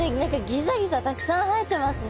ギザギザたくさん生えてますね。